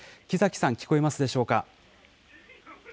木崎さん、聞こえますでしょうか。